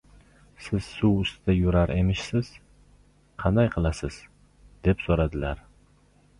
-Siz suv ustida yurar emishsiz. Qanday qilasiz? – deb so‘radilar.